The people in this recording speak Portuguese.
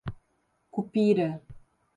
Cupira